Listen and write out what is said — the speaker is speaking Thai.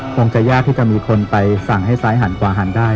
คงจะยากที่จะมีคนไปสั่งให้ซ้ายหันขวาหันได้